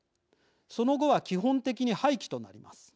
その後は基本的に廃棄となります。